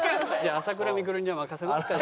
朝倉未来に任せますか。